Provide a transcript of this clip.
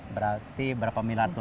berarti berapa miliar tuh